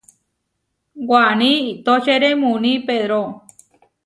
Waní iʼtóčere muuní Pedró.